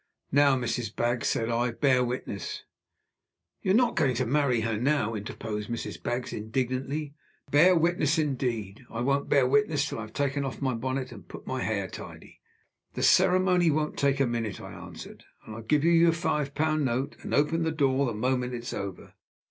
"Now, Mrs. Baggs," said I, "bear witness " "You're not going to marry her now!" interposed Mrs. Baggs, indignantly. "Bear witness, indeed! I won't bear witness till I've taken off my bonnet, and put my hair tidy!" "The ceremony won't take a minute," I answered; "and I'll give you your five pound note and open the door the moment it's over.